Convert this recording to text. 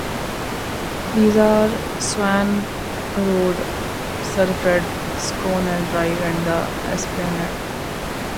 These are Swann Road, Sir Fred Schonell Drive and The Esplanade.